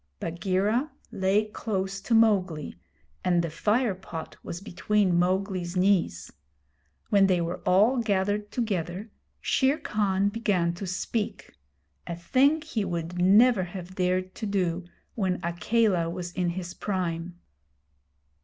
Bagheera lay close to Mowgli, and the fire pot was between Mowgli's knees. When they were all gathered together, Shere Khan began to speak a thing he would never have dared to do when Akela was in his prime.